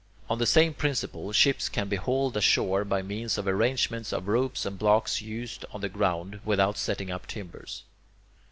On the same principle, ships can be hauled ashore by means of arrangements of ropes and blocks used on the ground, without setting up timbers.